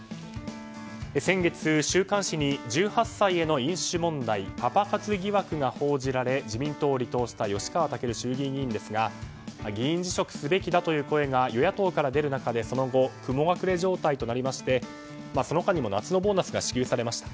先月、週刊誌に１８歳への飲酒問題パパ活疑惑が報じられ自民党を離党した吉川赳衆議院議員ですが議員辞職すべきだという声が与野党から出る中でその後、雲隠れ状態となりましてその間にも夏のボーナスが支給されました。